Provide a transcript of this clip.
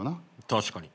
確かに。